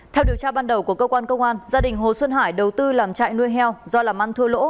theo điều tra ban đầu của cơ quan công an gia đình hồ xuân hải đầu tư làm chạy nuôi heo do làm ăn thua lỗ